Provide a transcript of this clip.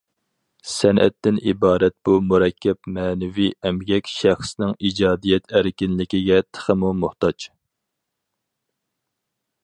سەنئەتتىن ئىبارەت بۇ مۇرەككەپ مەنىۋى ئەمگەك شەخسنىڭ ئىجادىيەت ئەركىنلىكىگە تېخىمۇ موھتاج.